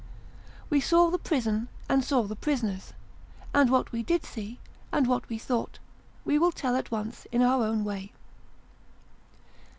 We saw the prison, and saw the prisoners ; and what we did see, and what we thought, we will tell at once in our own way.